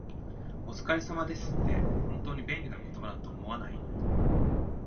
「お疲れ様です」って、本当に便利な言葉だと思わない？